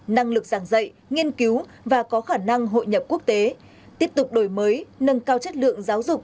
năng lực giảng dạy nghiên cứu và có khả năng hội nhập quốc tế tiếp tục đổi mới nâng cao chất lượng giáo dục